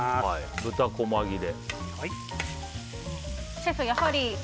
豚こま切れ。